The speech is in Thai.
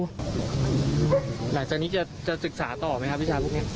หลังจากนี้จะศึกษาต่อไหมครับวิชาพวกนี้